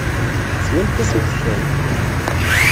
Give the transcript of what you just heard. Teswa lkas n ukeffay.